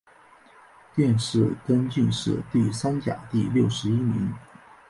殿试登进士第三甲第六十一名。